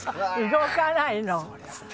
動かないの。